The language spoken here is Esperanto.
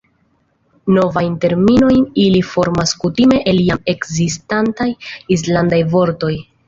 Novajn terminojn ili formas kutime el jam ekzistantaj islandaj vortoj.